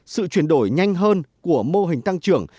sự chuyển đổi nhanh hơn của mô hình tăng trưởng